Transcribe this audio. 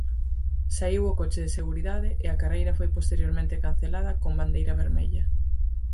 Saíu o coche de seguridade e a carreira foi posteriormente cancelada con bandeira vermella.